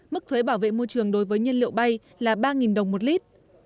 mức thuế bảo vệ môi trường đối với nhân liệu bay là ba đồng một lít